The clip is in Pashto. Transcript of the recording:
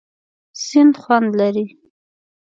سیند خوند لري.